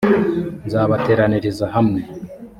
nzabateraniriza hamwe